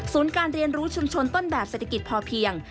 การเรียนรู้ชุมชนต้นแบบเศรษฐกิจพอเพียง